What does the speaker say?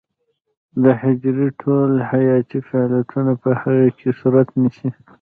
د حجرې ټول حیاتي فعالیتونه په هغې کې صورت نیسي.